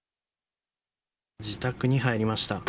自宅に入りました。